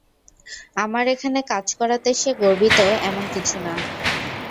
আমার এখানে কাজ করাতে সে গর্বিত- এমন কিছু না।